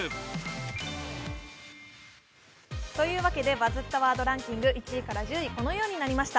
「バズったワードランキング」、１位から１０位まで、このようになりました。